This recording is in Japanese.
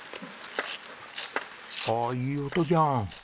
ああいい音じゃん。